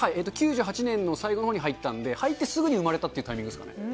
９８年の最後のほうに入ったんで、入ってすぐに生まれたっていうタイミングですかね。